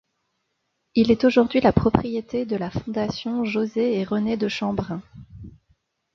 Il est aujourd'hui la propriété de la Fondation Josée-et-René-de-Chambrun.